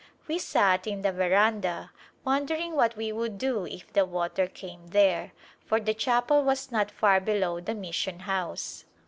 We sat in the veranda wondering what we would do if the water came there, for the chapel was not far below the mis sion house.